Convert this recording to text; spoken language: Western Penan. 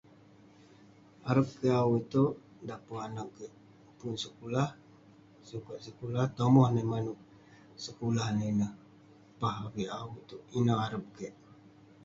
Arep kik au ituek dah pun anak kik pun sekulah sukat sekulah tomoh amik manuek sekulah nah ineh pah avik au ineh arep kik